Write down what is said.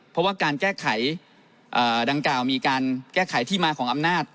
เพราะว่าการแก้ไขดังกล่าวมีการแก้ไขที่มาของอำนาจ